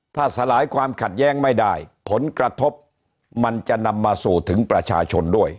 ถ้าสลายความขัดแย้งไม่ได้ผลกระทบมันจะนำมาสู่ถึงประชาชนด้วย